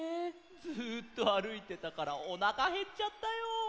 ずっとあるいてたからおなかへっちゃったよ。